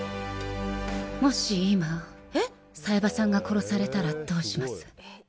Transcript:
もし今、冴羽さんが殺されたらどうします？